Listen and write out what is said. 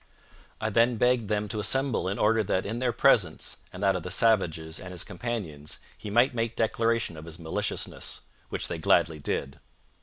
I then begged them to assemble in order that in their presence, and that of the savages and his companions, he might make declaration of his maliciousness; which they gladly did.